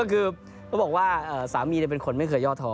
คือเขาบอกว่าสามีเป็นคนไม่เคยย่อท้อ